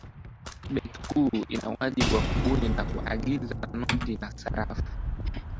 benki kuu ina wajibu wa kubuni na kuagiza noti na sarafu